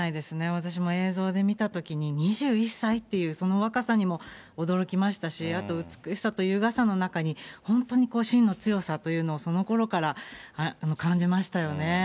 私も映像で見たときに、２１歳っていうその若さにも驚きましたし、あと美しさと優雅さの中に、本当にしんの強さというのをそのころから感じましたよね。